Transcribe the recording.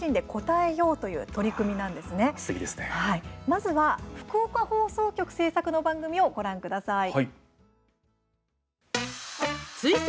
まずは、福岡放送局制作の番組をご覧ください。